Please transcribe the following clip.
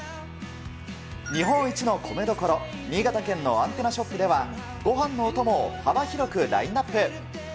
日本一の米どころ、新潟県のアンテナショップでは、ごはんのお供を幅広くラインナップ。